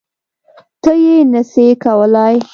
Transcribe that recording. ته یی نه سی کولای